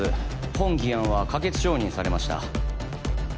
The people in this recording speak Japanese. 本議案は可決承認されました